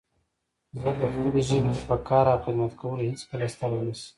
زه به خپلې ژبې ته په کار او خدمت کولو هيڅکله ستړی نه شم